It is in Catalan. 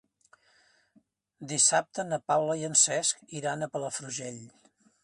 Dissabte na Paula i en Cesc iran a Palafrugell.